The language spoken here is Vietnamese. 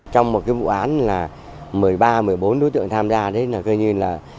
trong một vụ án một mươi ba một mươi bốn đối tượng tham gia